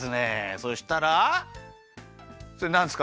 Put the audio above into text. そしたらそれなんですか？